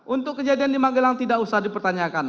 untuk kejadian di magelang tidak usah dipertanyakan